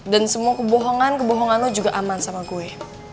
dan semua kebohongan kebohongan lo juga aman sama gue